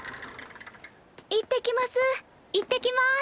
行ってきます。